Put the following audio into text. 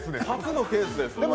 初のケースです。